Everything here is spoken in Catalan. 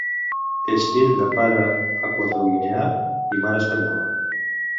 És fill de pare equatoguineà i mare espanyola.